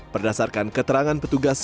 berdasarkan keterangan petugas